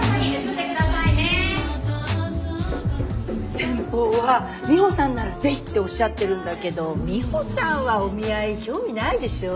先方はミホさんならぜひっておっしゃってるんだけどミホさんはお見合い興味ないでしょ？